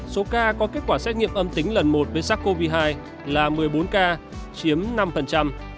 số ca có kết quả xét nghiệm âm tính lần một với sars cov hai là một mươi bốn ca chiếm năm